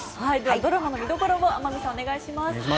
ドラマの見どころを天海さんお願いします。